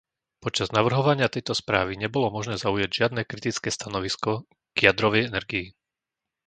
Počas navrhovania tejto správy nebolo možné zaujať žiadne kritické stanovisko k jadrovej energii.